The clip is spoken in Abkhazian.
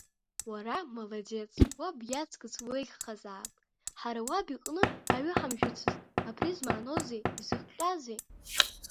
Уара, маладец, уаб иаҵкыс уеиӷьхазаап, ҳара уаб иҟны аҩы ҳамжәыцызт, абри змаанозеи, изыхҟьазеи?